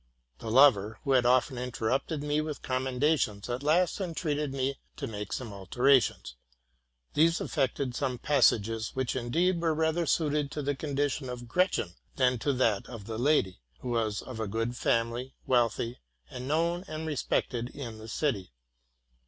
The lover, who had often interrupted me with commendations, at last en treated me to make some alterations. These affected some passages which indeed were rather suited to the condition of Gretchen than to that of the lady, who was of a good family, wealthy, and known and respected in the city.